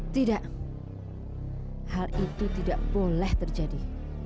tidak hal itu tidak boleh terjadi